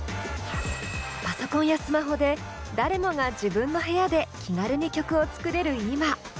パソコンやスマホで誰もが自分の部屋で気軽に曲を作れる今。